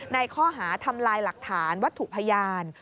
ในข้อหาทำลายหลักฐานวัตถุพยาน